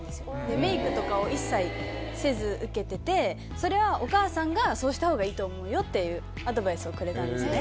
メイクとかを一切せず受けててそれはお母さんが「そうしたほうがいいと思うよ」っていうアドバイスをくれたんですね。